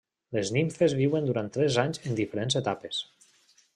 Les nimfes viuen durant tres anys en diferents etapes.